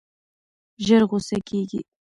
ژر غوسه کېږي.